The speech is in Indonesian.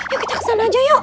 yuk kita kesan aja yuk